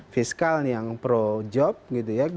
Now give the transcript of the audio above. fiskal yang pro job gitu ya